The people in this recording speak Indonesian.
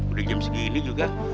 udah jam segini juga